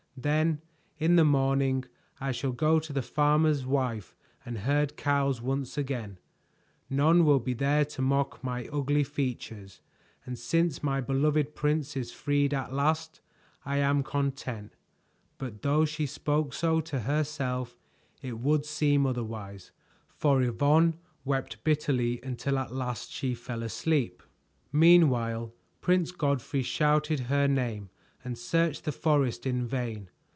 "Then in the morning I shall go to the farmer's wife and herd cows once again. None will be there to mock my ugly features, and since my beloved prince is freed at last, I am content." But though she spoke so to herself, it would seem otherwise, for Yvonne wept bitterly until at last she fell fast asleep. Meanwhile Prince Godfrey shouted her name and searched the forest in vain.